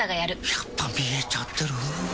やっぱ見えちゃてる？